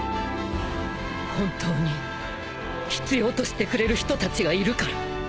本当に必要としてくれる人たちがいるから。